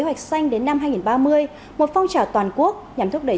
kế hoạch xanh đến năm hai nghìn ba mươi một phong trào toàn quốc nhằm thúc đẩy